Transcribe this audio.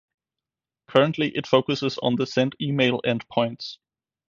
Currently it focuses on the Send Email endpoints.